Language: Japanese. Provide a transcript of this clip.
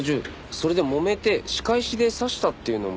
それでもめて仕返しで刺したっていうのも。